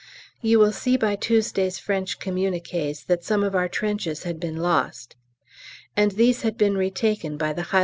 You will see by Tuesday's French communiqués that some of our trenches had been lost, and these had been retaken by the H.